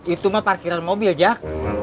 itu mah parkiran mobil jak